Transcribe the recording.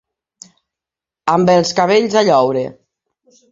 Amb els cabells a lloure.